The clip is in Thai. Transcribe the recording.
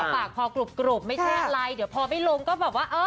ฝากพอกรุบไม่แช่ไรเดี๋ยวพอไม่ลงก็บอกว่า